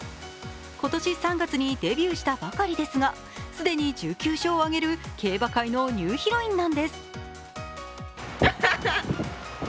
今年３月にでビューしたばかりですが既に１９勝を挙げる競馬界のニューヒロインなんです。